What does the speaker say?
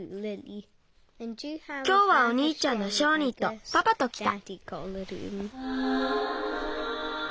きょうはおにいちゃんのショーニーとパパときた。